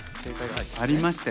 ありましたよ